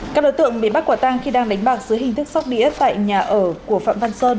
các đối tượng bị bắt quả tang khi đang đánh bạc dưới hình thức sóc đĩa tại nhà ở của phạm văn sơn